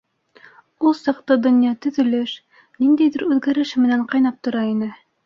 Ул саҡта донъя төҙөлөш, ниндәйҙер үҙгәреш менән ҡайнап тора ине.